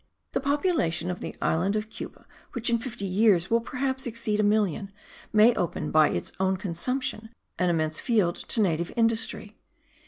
The population of the island of Cuba, which in fifty years will perhaps exceed a million, may open by its own consumption an immense field to native industry.